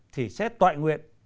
thì sẽ tọa nguyện